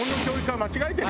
間違えてる。